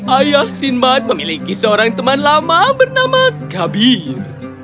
ayah sinman memiliki seorang teman lama bernama kabir